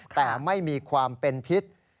แต่ไม่มีความเป็นพิษ